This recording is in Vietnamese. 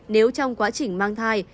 nếu trong quá trình mang thai